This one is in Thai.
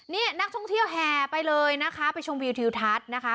นี่นักท่องเที่ยวแห่ไปเลยนะคะไปชมวิวทิวทัศน์นะคะ